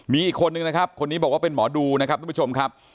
มีอีกคนนึงนะครับคนนี้บอกว่าเป็นหมอดูนะครับทุกผู้ชมครับ